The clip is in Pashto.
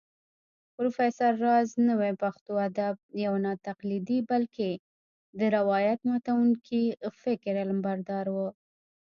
پروفېسر راز نوې پښتو ادب يو ناتقليدي بلکې د روايت ماتونکي فکر علمبردار و